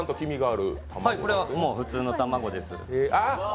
これは普通の卵です。